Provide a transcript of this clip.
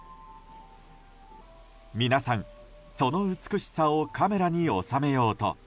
皆さんその美しさをカメラに収めようと。